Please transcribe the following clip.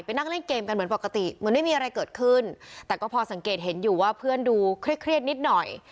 นั่งเล่นเกมกันเหมือนปกติเหมือนไม่มีอะไรเกิดขึ้นแต่ก็พอสังเกตเห็นอยู่ว่าเพื่อนดูเครียดนิดหน่อย